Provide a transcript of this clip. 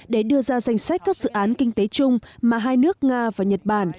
để đưa ra danh sách các dự án kinh tế chung mà hai nước nga và nhật bản